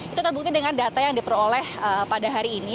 itu terbukti dengan data yang diperoleh pada hari ini